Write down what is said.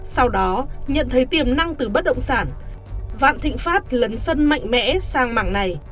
sau đó nhận thấy tiềm năng từ bất động sản vạn thịnh pháp lấn sân mạnh mẽ sang mảng này